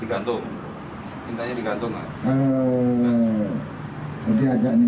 digantung cintanya digantung